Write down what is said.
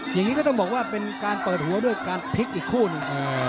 อย่างนี้ก็ต้องบอกว่าเป็นการเปิดหัวด้วยการพลิกอีกคู่หนึ่ง